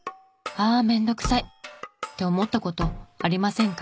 ああ面倒くさい！って思った事ありませんか？